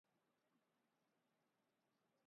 یہ shopping bag کوئی